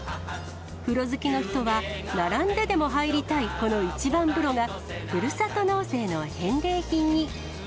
風呂好きの人は、並んででも入りたいこの一番風呂が、ふるさと納税の返礼品に。